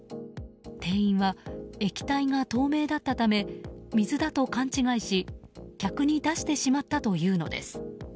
店員は液体が透明だったため水だと勘違いし客に出してしまったというのです。